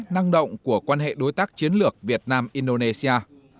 năng động của quan hệ đối tác chiến lược việt nam indonesia